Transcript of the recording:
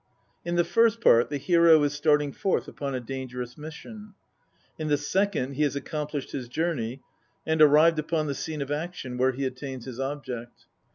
In the first part the hero is starting forth upon a dangerous mission ; in the second he has accomplished his journey, and arrived upon the scene of action, where he attains his object.